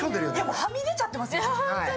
はみ出ちゃってますよ。